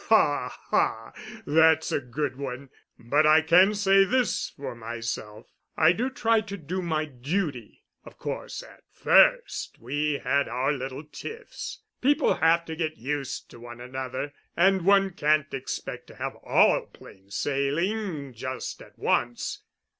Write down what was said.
"Ha, ha! that's a good one. But I can say this for myself, I do try to do my duty. Of course at first we had our little tiffs people have to get used to one another, and one can't expect to have all plain sailing just at once.